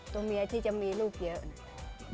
ตัวเมียที่จะมีลูกเยอะ